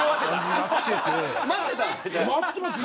待ってましたよ。